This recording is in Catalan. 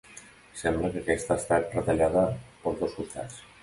Sembla que aquesta ha estat retallada pels dos costats.